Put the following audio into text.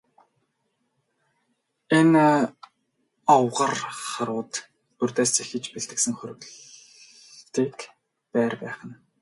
Энэ овгор харууд урьдаас зэхэж бэлтгэсэн хориглолтын байр байх нь.